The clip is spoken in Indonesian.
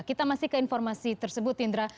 kita masih ke informasi tersebut indra